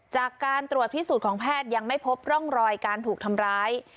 จากการตรวจพิสูจน์ของแพทย์ยังไม่พบร่องรอยการถูกทำร้าย